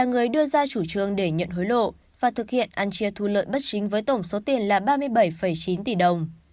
gương để nhận hối lộ và thực hiện ăn chia thu lợi bất chính với tổng số tiền là ba mươi bảy chín tỷ đồng